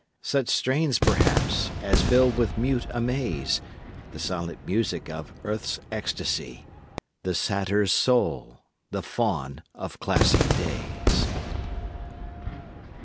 Such strains, perhaps, as filled with mute amaze The silent music of Earth's ecstasy The Satyr's soul, the Faun of classic days.